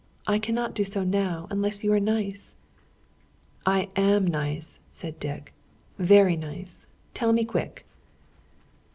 I cannot do so now, unless you are nice." "I am nice," said Dick, "very nice! Tell me quick."